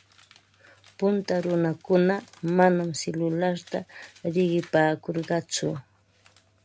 Punta runakuna manam silularta riqipaakurqatsu.